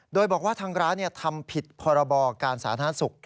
โดยบอกว่าทางร้านทำผิดพรบการสาธารณสุข